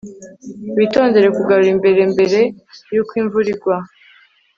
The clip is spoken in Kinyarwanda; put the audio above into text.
Witondere kugarura imbere mbere yuko imvura igwa